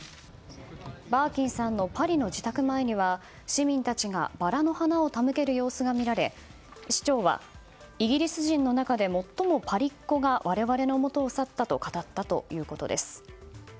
バーキンさんのパリの自宅前には市民たちがバラの花を手向ける様子が見られ市長は、イギリス人の中で最もパリっ子が我々のもとを去ったと語ったということです。